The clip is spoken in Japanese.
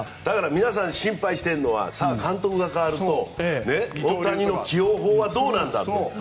皆さん、心配しているのは監督が代わると大谷の起用法はどうなんだと。